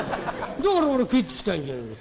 だから俺は帰ってきたんじゃねえか。